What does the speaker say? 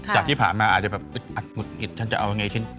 จากที่ผ่านมาอาจจะแบบฉันจะเอาไงทิศ